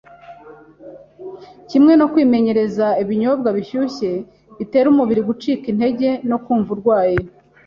kimwe no kwimenyereza ibinyobwa bishyushye bitera umubiri gucika intege no kumva urwaye.